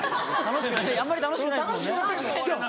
あんまり楽しくないですもんね。